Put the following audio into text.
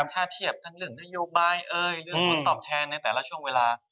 ถ้าเทียบทั้งเรื่องนโยบายเรื่องผลตอบแทนในแต่ละช่วงเวลา